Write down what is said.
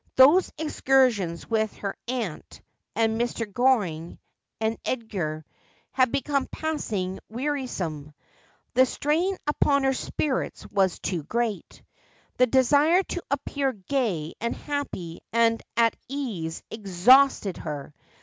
Those excursions with her aunt and Mr. Goring and Edgar had become passing wearisome. The strain upon her spirits was too great. The desire to appear gay and happy and at ease exhausted her.